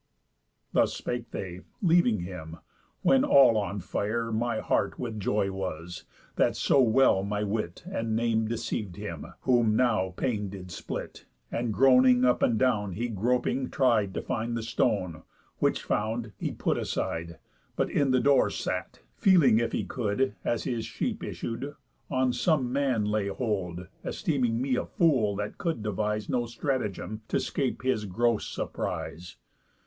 Thus spake they, leaving him; when all on fire My heart with joy was, that so well my wit And name deceiv'd him; whom now pain did split, And groaning up and down he groping tried To find the stone, which found, he put aside; But in the door sat, feeling if he could (As his sheep issued) on some man lay hold; Esteeming me a fool, that could devise No stratagem to 'scape his gross surprise.